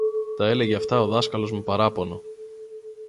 Τα έλεγε αυτά ο δάσκαλος με παράπονο